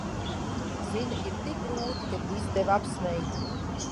Zini, ir tik grūti, kad visi tevi apsmej.